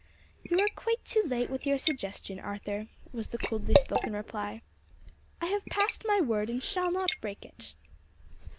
"You are quite too late with your suggestion, Arthur," was the coldly spoken reply. "I have passed my word and shall not break it."